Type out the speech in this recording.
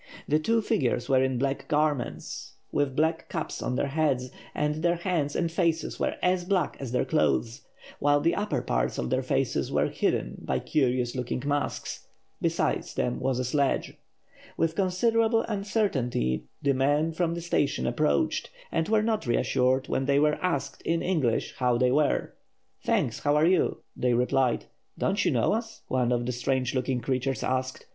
The two figures were in black garments, with black caps on their heads, and their hands and faces were as black as their clothes, while the upper parts of their faces were hidden by curious looking masks. Beside them was a sledge. With considerable uncertainty the men from the station approached, and were not reassured when they were asked, in English, how they were. "Thanks; how are you?" they replied. "Don't you know us?" one of the strange looking creatures asked.